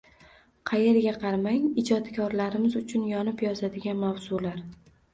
Qayerga qaramang, ijodkorlarimiz uchun yonib yozadigan mavzular.